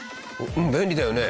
便利だよね。